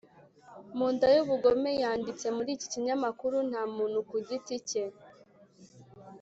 mu nday’ubugome yanditse muri iki kinyamakuru nta muntu ku giti cye